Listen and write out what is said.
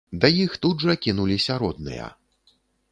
Да іх тут жа кінуліся родныя.